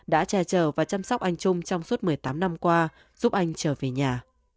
đã che chở và chăm sóc anh trung trong suốt một mươi tám năm qua giúp anh trở về nhà